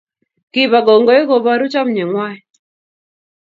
kiba kongooi koboru chomnyeng'wany